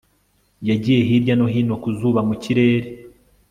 Yagiye Hirya no hino ku zuba mu kirere